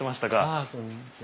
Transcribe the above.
ああこんにちは。